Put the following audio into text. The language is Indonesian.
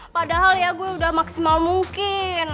padahal ya gue udah maksimal mungkin